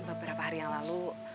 beberapa hari yang lalu